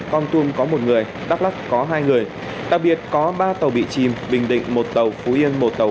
con tum có một người đắk lắc có hai người đặc biệt có ba tàu bị chìm bình định một tàu phú yên một tàu